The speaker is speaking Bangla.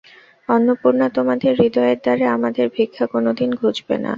অন্নপূর্ণা, তোমাদের হৃদয়ের দ্বারে আমাদের ভিক্ষা কোনোদিন ঘুচবে না।